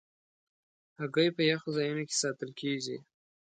هګۍ په یخو ځایونو کې ساتل کېږي.